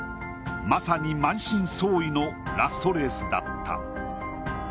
まさに満身創いのラストレースだった。